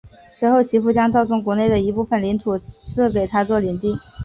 随后其父将教宗国内的一部份领土分赐给他做领地。